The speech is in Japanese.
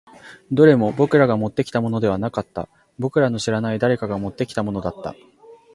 どれも僕らがもってきたものではなかった。僕らの知らない誰かが持ってきたものだった。